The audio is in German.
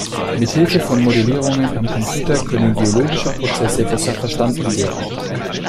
Mit Hilfe von Modellierungen am Computer können geologische Prozesse besser verstanden werden.